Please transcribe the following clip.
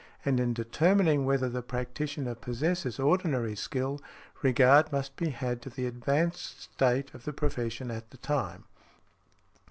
And in determining whether the practitioner possesses ordinary skill, regard must be had to the advanced state of the profession at the time .